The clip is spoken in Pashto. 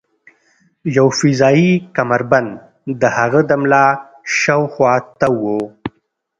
یو فضايي کمربند د هغه د ملا شاوخوا تاو و